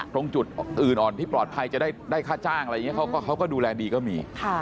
ตรงจุดอื่นอ่อนที่ปลอดภัยจะได้ค่าจ้างอะไรอย่างนี้เขาก็ดูแลดีก็มี